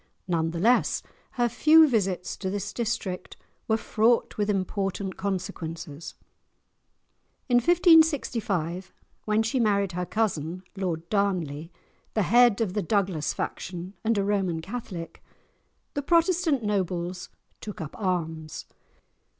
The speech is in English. None the less her few visits to this district were fraught with important consequences. In 1565, when she married her cousin Lord Darnley, the head of the Douglas faction and a Roman Catholic, the Protestant nobles took up arms.